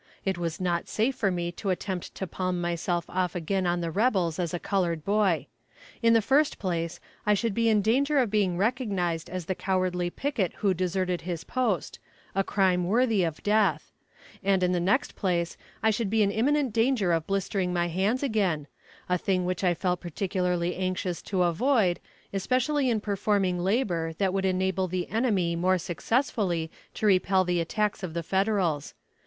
It was not safe for me to attempt to palm myself off again on the rebels as a colored boy. In the first place, I should be in danger of being recognized as the cowardly picket who deserted his post a crime worthy of death; and in the next place, I should be in imminent danger of blistering my hands again a thing which I felt particularly anxious to avoid, especially in performing labor that would enable the enemy more successfully to repel the attacks of the Federals.